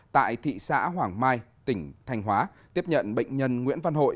tại thị xã hoàng mai tỉnh thanh hóa tiếp nhận bệnh nhân nguyễn văn hội